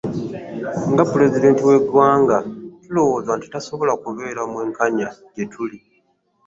Nga Pulezidenti w'eggwanga, tulowooza nti tasobola kubeera mwenkanya gye tuli.